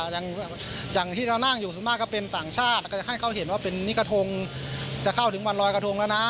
อย่างที่เรานั่งอยู่ส่วนมากก็เป็นต่างชาติก็จะให้เขาเห็นว่าเป็นนี่กระทงจะเข้าถึงวันรอยกระทงแล้วนะ